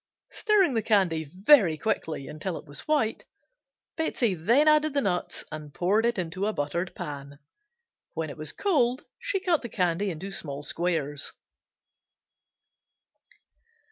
Stirring the candy very quickly until it was white, Betsey then added the nuts and poured it into a buttered pan. When it was cold she cut the candy into small squares.